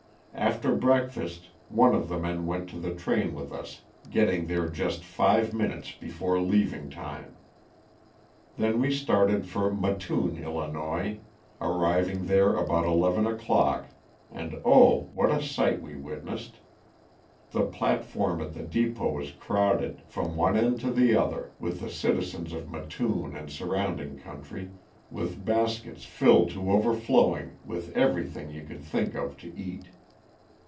After break fast one of the men went to the train with us, getting there just five minutes before leaving time. Then we started for Mattoon, 111., arriving there about eleven o'clock, and 0, what a sight we witnessed ! The plat form at the depot was crowded, from one end to the other, with the citizens of Mattoon and surrounding country, with baskets filled to over flowing with every thing you could think of to eat.